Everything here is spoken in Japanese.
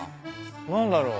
何だろう？